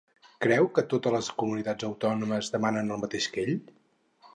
Creu que totes les comunitats autònomes demanen el mateix que ell?